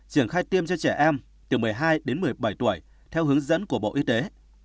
triển khai tiêm cho trẻ em từ một mươi hai đến một mươi bảy tuổi theo hướng dẫn của bộ y tế